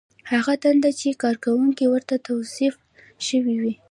هغه دنده چې کارکوونکی ورته توظیف شوی وي.